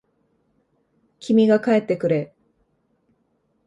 君が帰ってくれ。